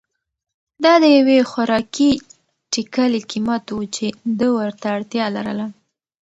دا د یوې خوراکي ټکلې قیمت و چې ده ورته اړتیا لرله.